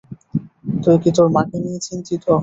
তুই কি তোর মাকে নিয়ে চিন্তিত?